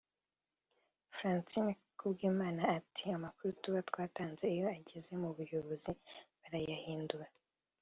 Francine Kubwimana ati “Amakuru tuba twatanze iyo ageze mu buyobozi barayahindura